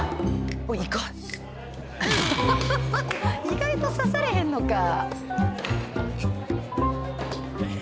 意外と刺されへんのか。